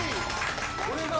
これが。